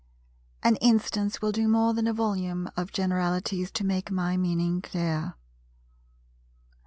An instance will do more than a volume of generalities to make my meaning clear.